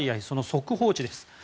その速報値です。